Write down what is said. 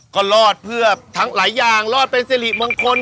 ก็รอดเพื่อทั้งหลายอย่างรอดเป็นสิริมงคล